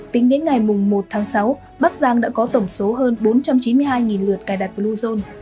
tính đến ngày một tháng sáu bắc giang đã có tổng số hơn bốn trăm chín mươi hai lượt cài đặt bluezone